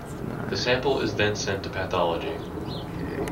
The sample is then sent to pathology.